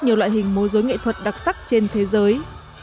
nhiều loại hình mô rối nghệ thuật đặc sắc trên thế giới